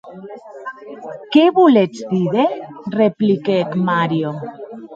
Qué voletz díder?, repliquèc Mario.